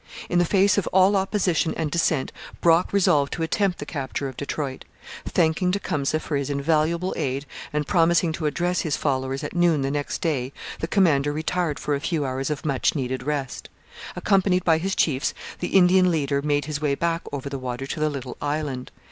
In the face of all opposition and dissent Brock resolved to attempt the capture of Detroit. Thanking Tecumseh for his invaluable aid and promising to address his followers at noon the next day, the commander retired for a few hours of much needed rest. Accompanied by his chiefs, the Indian leader made his way back over the water to the little island.